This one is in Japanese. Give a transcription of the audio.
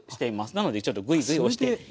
なのでちょっとグイグイ押して。